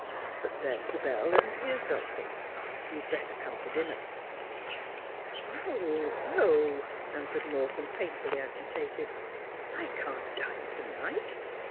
But there's the bell, and here's Dulcie. You'd better come to dinner.' ' No, no,' answered Morton, painfully agitated. ' I can't dine to night.